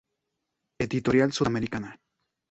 Editorial Sudamericana.